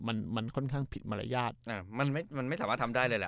มันมันค่อนข้างผิดมารยาทมันไม่มันไม่สามารถทำได้เลยแหละ